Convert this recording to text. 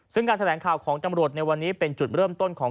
ซึ่งการแถลงข่าวของตำรวจในวันนี้เป็นจุดเริ่มต้นของ